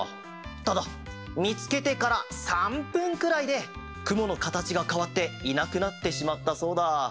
ただみつけてから３ぷんくらいでくものかたちがかわっていなくなってしまったそうだ。